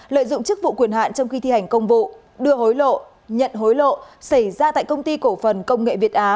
lợi dụng chức vụ quyền hạn trong khi thi hành công vụ đưa hối lộ nhận hối lộ xảy ra tại công ty cổ phần công nghệ việt á